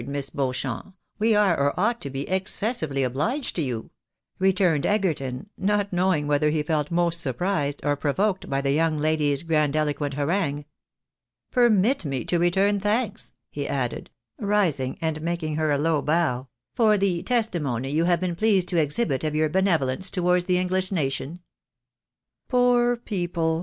Miss Beauchamp, we are, or ought to be, excessively obliged to you," returned Egerton, not knowing whether he felt most surprised or provoked by the young lady's grandiloquent harangue. " Permit me to return thanks," he added, rising and making her a low bow, " for the testimony you have been pleased to exhibit of your benevolence towards the English nation." " Poor people